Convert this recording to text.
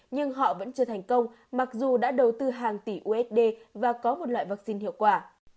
nhưng họ vẫn chưa thành công mặc dù đã đầu tư hàng tỷ usd và có một loại vaccine hiệu quả